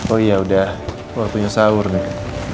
oh iya udah waktunya sahur nih